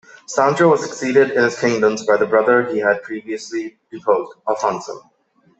Sancho was succeeded in his kingdoms by the brother he had previously deposed, Alfonso.